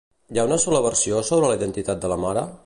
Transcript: Hi ha una sola versió sobre la identitat de la mare?